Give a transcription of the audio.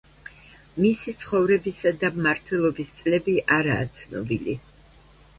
მისი ცხოვრებისა და მმართველობის წლები არაა ცნობილი.